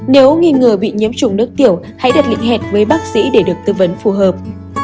nếu nghi ngờ bị nhiễm chủng nước tiểu hãy đặt lĩnh hẹn với bác sĩ để được tư vấn phù hợp